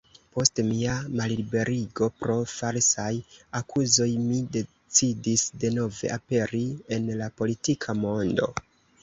Post mia malliberigo pro falsaj akuzoj mi decidis denove aperi en la politika mondo".